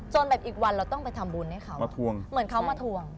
จนแบบอีกวันเราต้องไปทำบุญให้เขาอเจมส์มาถวงเหมือนเขามันถวง